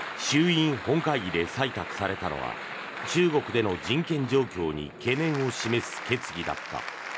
衆院本会議で採択されたのは中国での人権状況に懸念を示す決議だった。